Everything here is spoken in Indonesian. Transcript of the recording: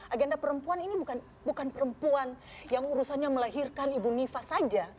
agenda perempuan ini bukan perempuan yang urusannya melahirkan ibu nifa saja